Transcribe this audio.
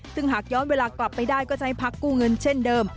ซึ่งหากย้อนเวลากลับไปได้ก็จะให้พักกู้เงินเช่นเดิม